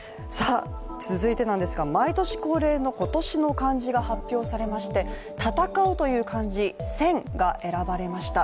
続いてなんですが、毎年恒例の今年の漢字が発表されまして、「戦」が選ばれました。